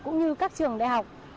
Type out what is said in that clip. như các trường đại học